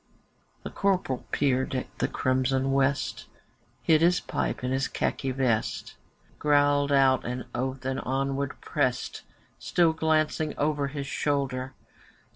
The Corporal peered at the crimson West, Hid his pipe in his khaki vest. Growled out an oath and onward pressed, Still glancing over his shoulder.